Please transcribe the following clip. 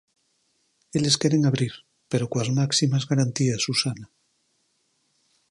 Eles queren abrir, pero coas máximas garantías, Susana.